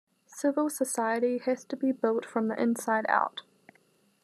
Civil society has to be built from the inside out.